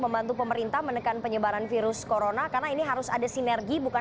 membantu pemerintah menekan penyebaran virus corona karena ini harus ada sinergi bukan